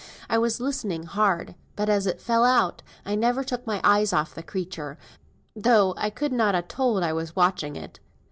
I was listening hard, but as it fell out, I never took my eyes off the creature, though I could not ha' told I was watching it.